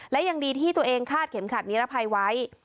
และยังดีที่ตัวเองคาดเข็มขัดนิรภัยไว้